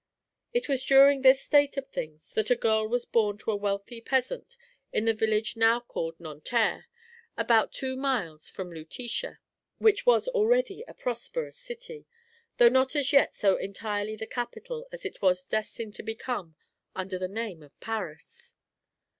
It was during this state of things that a girl was born to a wealthy peasant at the village now called Nanterre, about two miles from Lutetia, which was already a prosperous city, though not as yet so entirely the capital as it was destined to become under the name of Paris.